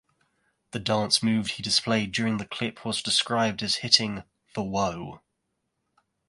The dance move he displayed during the clip was described as hitting "The Woah".